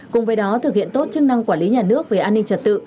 cùng với đó thực hiện tốt chức năng quản lý nhà nước về an ninh trật tự